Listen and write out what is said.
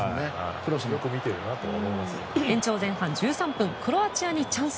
延長前半１３分クロアチアにチャンス！